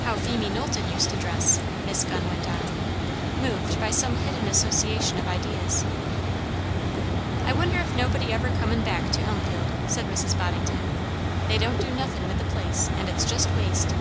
"How Phemie Knowlton used to dress!" Miss Gunn went on, moved by some hidden association of ideas. "I wonder is nobody ever comin' back to Elmfield?" said Mrs. Boddington. "They don't do nothin' with the place, and it's just waste."